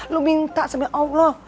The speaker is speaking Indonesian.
lu minta sama allah